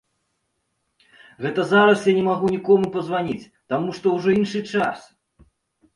Гэта зараз я не магу нікому пазваніць, таму што ўжо іншы час.